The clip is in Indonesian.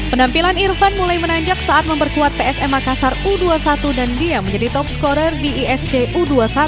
penampilan irfan mulai menanjak saat memperkuat psm makassar u dua puluh satu dan dia menjadi top scorer di isc u dua puluh satu